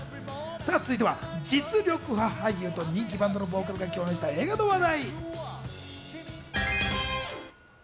続いては実力派俳優と人気バンドのボーカルが共演した映画の話題。